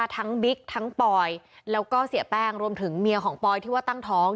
บิ๊กทั้งปอยแล้วก็เสียแป้งรวมถึงเมียของปอยที่ว่าตั้งท้อง